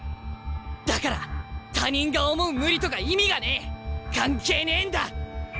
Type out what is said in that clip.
だから他人が思う無理とか意味がねえ関係ねえんだ！